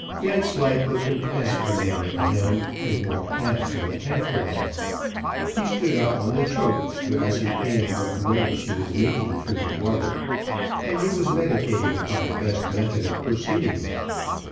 Vanslyperken passed the man at the helm, and walked aft to the taffrail; he stood up on the choak to ascertain what way she was making through the water, and he was meditating upon the best method of proceeding.